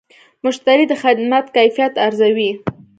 مشتری د خدمت کیفیت ارزوي.